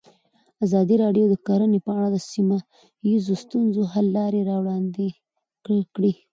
ازادي راډیو د کرهنه په اړه د سیمه ییزو ستونزو حل لارې راوړاندې کړې.